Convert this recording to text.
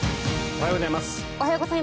おはようございます。